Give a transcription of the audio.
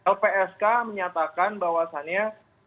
lpsk menyatakan bahwasannya